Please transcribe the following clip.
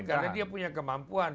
itu kan karena dia punya kemampuan